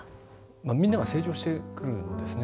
まあみんなが成長してくるんですね。